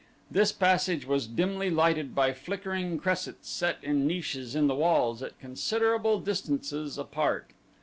This passage was dimly lighted by flickering cressets set in niches in the walls at considerable distances apart.